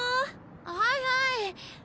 はいはい。